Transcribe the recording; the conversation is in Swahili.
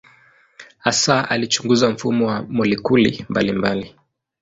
Hasa alichunguza mfumo wa molekuli mbalimbali.